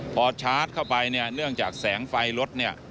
พอชาร์จเข้าไปเนื่องจากแสงไฟรถ